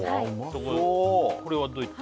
そうこれはどういった？